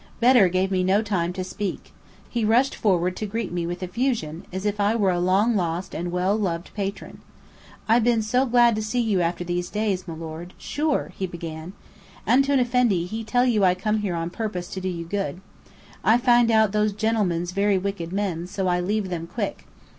Bedr gave me no time to speak. He rushed forward to greet me with effusion, as if I were a long lost and well loved patron. "I bin so glad see you again after these days, milord. Sure!" he began. "Antoun Effendi, he tell you I come here on purpose to do you good. I find out those genlemens very wicked men, so I leave them quick.